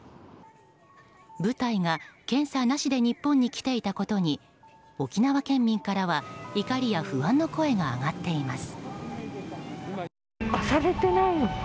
部隊が検査なしで日本に来ていたことに沖縄県民からは怒りや不安の声が上がっています。